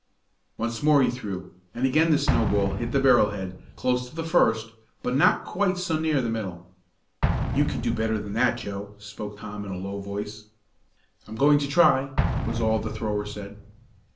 Once more he threw, and again the snowball hit the barrel head, close to the first, but not quite so near the middle. "You can do better than that, Joe," spoke Tom in a low voice. "I'm going to try," was all the thrower said.